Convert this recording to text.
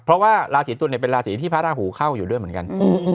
เพราะว่าราศีตุลเนี่ยเป็นราศีที่พระราหูเข้าอยู่ด้วยเหมือนกัน